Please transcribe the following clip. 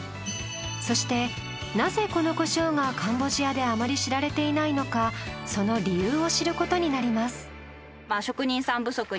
そしてなぜこのコショウがカンボジアであまり知られていないのかその理由を知る事になります。